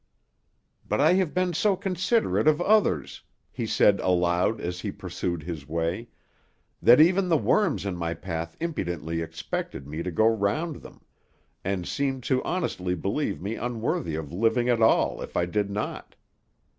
"But I have been so considerate of others," he said aloud, as he pursued his way, "that even the worms in my path impudently expected me to go round them, and seemed to honestly believe me unworthy of living at all if I did not.